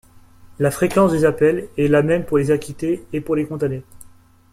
La fréquence des appels est la même pour les acquittés et pour les condamnés.